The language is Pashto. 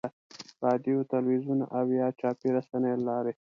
رادیو، تلویزیون او یا چاپي رسنیو له لارې.